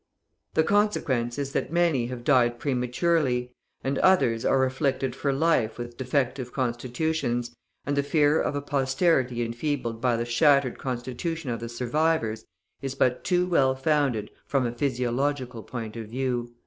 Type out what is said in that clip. The consequence is that many have died prematurely, and others are afflicted for life with defective constitutions, and the fear of a posterity enfeebled by the shattered constitution of the survivors is but too well founded, from a physiological point of view."